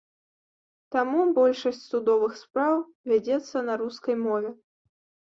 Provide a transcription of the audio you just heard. Таму большасць судовых спраў вядзецца на рускай мове.